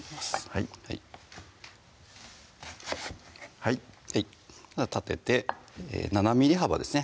はいはいはい立てて７ｍｍ幅ですね